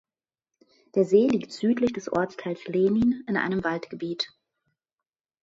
Der See liegt südlich des Ortsteils Lehnin in einem Waldgebiet.